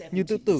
như tự tử